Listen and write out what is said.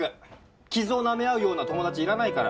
傷を舐め合うような友達いらないから。